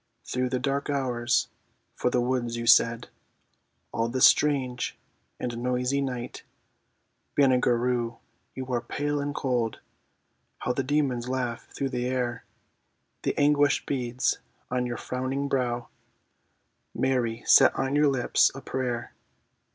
Through the dark hours, for the words you said, All this strange and noisy night. Banagher Rhue, you are pale and cold; (How the demons laugh through the air!) The anguish beads on your frowning brow; Mary set on your lips a prayer!